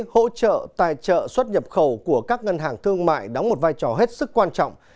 hỗ trợ tài trợ xuất nhập khẩu của các ngân hàng thương mại đóng một vai trò hết sức quan trọng